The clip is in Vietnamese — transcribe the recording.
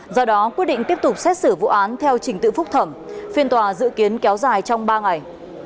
do đó quyết định tiếp tục xét xử vụ án theo trình tự phúc thẩm phiên tòa dự kiến kéo dài trong ba ngày